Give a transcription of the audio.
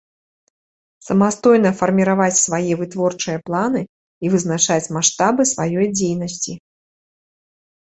Самастойна фармiраваць свае вытворчыя планы i вызначаць маштабы сваёй дзейнасцi.